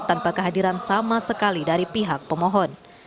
tanpa kehadiran sama sekali dari pihak pemohon